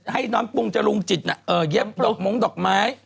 ให้น้องปุงจรุงจิตเย็บดอกม้งดอกไม้